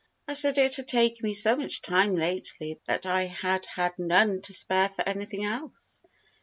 I said it had taken me so much time lately that I had had none to spare for anything else.